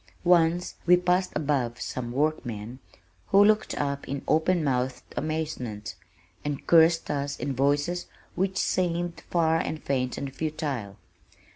Once we passed above some workmen, who looked up in open mouthed amazement, and cursed us in voices which seemed far and faint and futile.